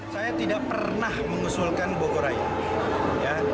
saya tidak pernah mengusulkan bogoraya